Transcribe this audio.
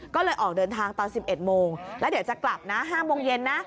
ก็เลยออกเดินทางตอน๑๑โมงแล้วเดี๋ยวจะกลับนะ๕โมงเย็นนะ